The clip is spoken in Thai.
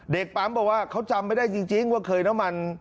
เด็กปั๊มบอกว่าเขาจำไม่ได้จริงว่าเคยน้ำมัน